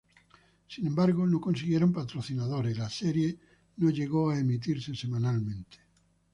Sin embargo, no consiguieron patrocinadores y la serie no llegó a emitirse semanalmente.